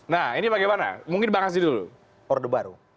nah ini bagaimana mungkin mbak ansyi dulu